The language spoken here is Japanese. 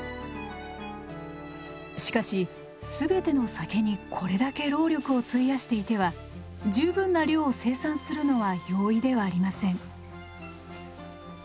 しかしすべての酒にこれだけ労力を費やしていては十分な量を生産するのは容易ではありません。